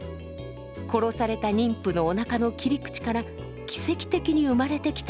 殺された妊婦のおなかの切り口から奇跡的に生まれてきたのだとか。